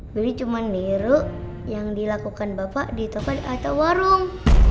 beli cuma biru yang dilakukan bapak di toko atau warung